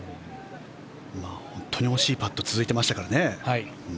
本当に惜しいパットが続いていましたからね。